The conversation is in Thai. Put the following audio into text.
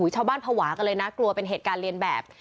ภาวะกันเลยนะกลัวเป็นเหตุการณ์เรียนแบบ